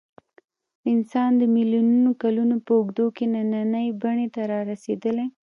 انسان د میلیونونو کلونو په اوږدو کې نننۍ بڼې ته رارسېدلی.